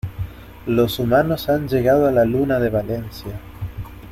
Los humanos han llegado a la Luna de Valencia.